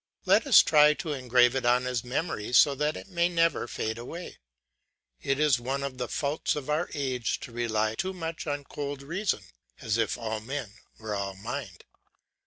Let us try to engrave it on his memory so that it may never fade away. It is one of the faults of our age to rely too much on cold reason, as if men were all mind.